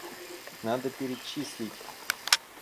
Надо перечислить.